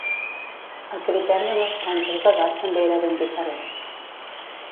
El criteri amb les franges d’edat també era ben diferent.